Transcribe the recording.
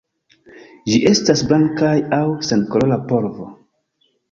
Ĝi estas blankaj aŭ senkolora polvo.